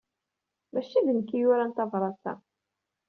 Maci d nekk ay yuran tabṛat-a.